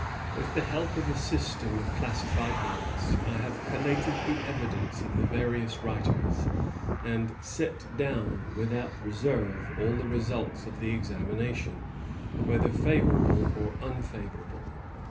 With the help of a system of classi fied notes, I have collated the evidence of the •various writers, and set down without reserve all the results of the examination, whether fav orable or unfavorable.